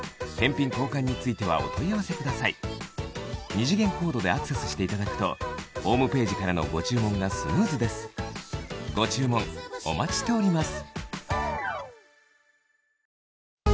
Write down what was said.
二次元コードでアクセスしていただくとホームページからのご注文がスムーズですご注文お待ちしております